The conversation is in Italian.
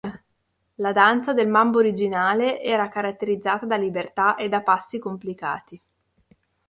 La danza del mambo originale era caratterizzata da libertà e da passi complicati.